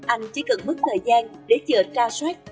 anh chỉ cần mất thời gian để chờ tra soát